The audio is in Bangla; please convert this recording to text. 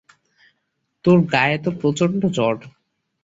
তোর গায়ে তো প্রচণ্ড জ্বর।